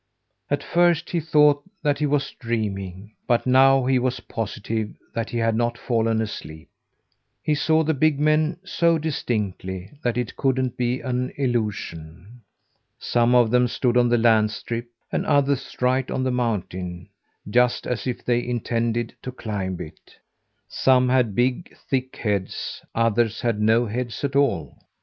At first he thought that he was dreaming, but now he was positive that he had not fallen asleep. He saw the big men so distinctly that it couldn't be an illusion. Some of them stood on the land strip, and others right on the mountain just as if they intended to climb it. Some had big, thick heads; others had no heads at all.